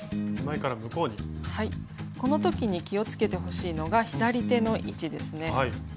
この時に気をつけてほしいのが左手の位置ですね。